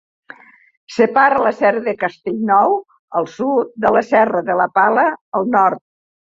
Separa la Serra de Castellnou, al sud, de la Serra de la Pala, al nord.